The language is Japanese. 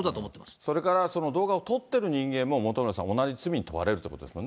それから動画を撮ってる人間も本村さん、同じ罪に問われるということですよね。